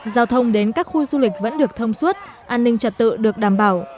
giao thông đến các khu du lịch vẫn được thông suốt an ninh trật tự được đảm bảo